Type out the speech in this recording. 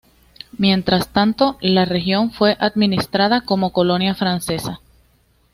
Mientras tanto, la región fue administrada como colonia francesa.